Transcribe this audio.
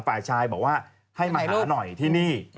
ฝ่ายชายบอกว่าให้มาหาหน่อยที่นี่